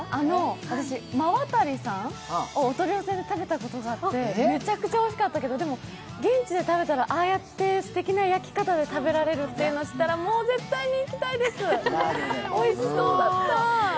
私、馬渡さんをお取り寄せで食べたことがあって、めちゃくちゃおいしかったけど、現地で食べたらああやって、すてきな焼き方で食べられるというのを知ったら、もう絶対に行きたいです、おいしそうだった。